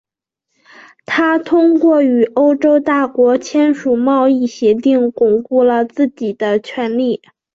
他通过与欧洲大国签署贸易协定巩固了自己的权力。